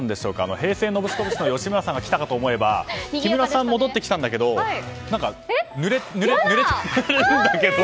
平成ノブシコブシの吉村さんが来たかと思えば木村さん、戻ってきたんだけど何か、ぬれてるんだけど。